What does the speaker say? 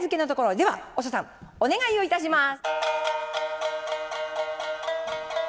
では御師匠さんお願いをいたします。